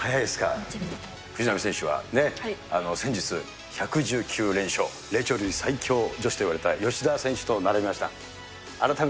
藤波選手は先日、１１９連勝、霊長類最強女子といわれた吉田選手と並びました。